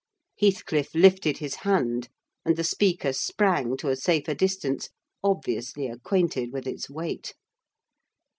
Heathcliff lifted his hand, and the speaker sprang to a safer distance, obviously acquainted with its weight.